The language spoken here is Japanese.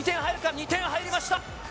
２点入りました！